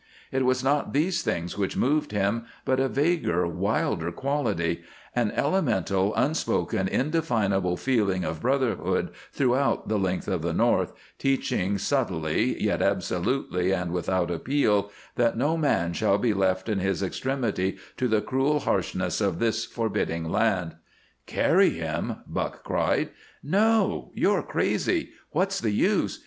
It was not these things which moved him, but a vaguer, wilder quality; an elemental, unspoken, indefinable feeling of brotherhood throughout the length of the North, teaching subtly, yet absolutely and without appeal, that no man shall be left in his extremity to the cruel harshness of this forbidding land. "Carry him?" Buck cried. "No! You're crazy! What's the use?